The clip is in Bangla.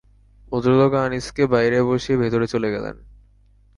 ভদ্রলোক আনিসকে বাইরে বসিয়ে ভেতরে চলে গেলেন।